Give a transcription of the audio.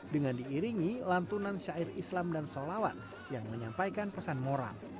dengan diiringi lantunan syair islam dan sholawat yang menyampaikan pesan moram